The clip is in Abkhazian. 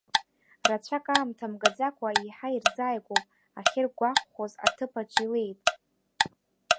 Рацәак аамҭа мгаӡакәа, еиҳа ирзааигәоуп ахьыргәахәоз аҭыԥ аҿы илеит.